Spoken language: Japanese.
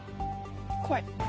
怖い。